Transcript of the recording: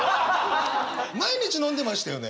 毎日飲んでましたよね？